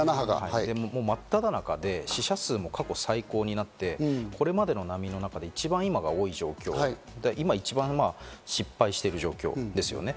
もうまっただ中で死者数も過去最高になって、これまでの波の中で一番今が多い状況、今一番失敗してる状況ですね。